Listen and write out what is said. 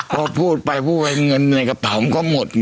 พอพูดไปให้เงินในกระเป๋าก็หมด